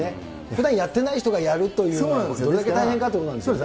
ふだんやっていない人がやるということが、どれだけ大変かっていうことですよね。